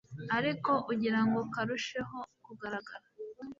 ariko ugira ngo karusheho kugaragara